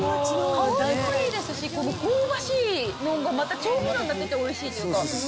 香りもいいですし、この香ばしいのが、また調味料になってておいしいっていうか。